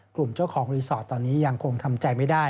กลุ่มเจ้าของรีสอร์ทตอนนี้ยังคงทำใจไม่ได้